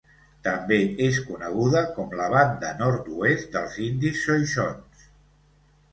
També és coneguda com la Banda nord-oest dels Indis Xoixons.